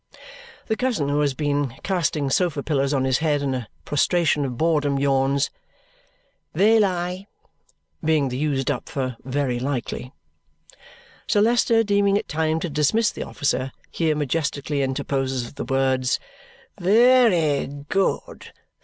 The cousin, who has been casting sofa pillows on his head, in a prostration of boredom yawns, "Vayli," being the used up for "very likely." Sir Leicester, deeming it time to dismiss the officer, here majestically interposes with the words, "Very good.